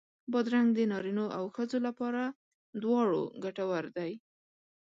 بادرنګ د نارینو او ښځو لپاره دواړو ګټور دی.